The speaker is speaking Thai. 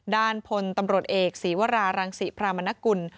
ด้านพลตำรวจเอกศีวรารังศิพรามนกุล